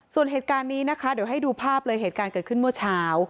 ส่วนเหตุการณ์นี้นะคะเดี๋ยวให้ดูภาพเลยเหตุการณ์เกิดขึ้นเมื่อเช้า